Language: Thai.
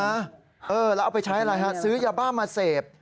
แล้วเอาไปใช้อะไรฮะซื้อยาบ้ามาเสพ